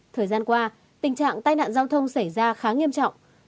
thời gian qua tình trạng tai nạn giao thông xảy ra khá nghiêm trọng